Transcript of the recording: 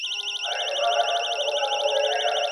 هم بچی اندام اندام دی هم ابا په وینو سور دی ..